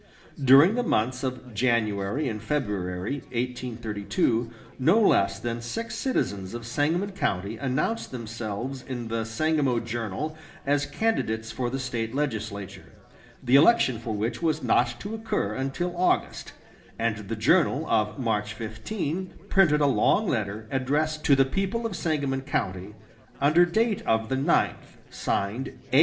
During the months of January and February, 1832, no less than six citizens of Sangamon County announced themselves in the "Sangamo Journal" as candidates for the State legislature, the election for which was not to occur until August; and the "Journal" of March 15 printed a long letter, addressed "To the People of Sangamon County," under date of the ninth, signed A.